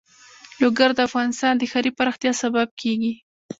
لوگر د افغانستان د ښاري پراختیا سبب کېږي.